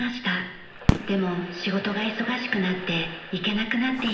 でも仕事が忙しくなって行けなくなっていました。